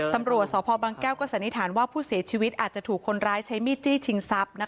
ตำรวจสพบังแก้วก็สันนิษฐานว่าผู้เสียชีวิตอาจจะถูกคนร้ายใช้มีดจี้ชิงทรัพย์